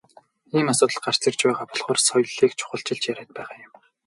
Ийм асуудал гарч ирж байгаа болохоор соёлыг чухалчилж яриад байгаа юм.